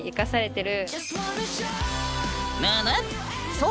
そう！